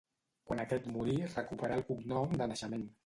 Quan aquest morí recuperà el cognom de naixement.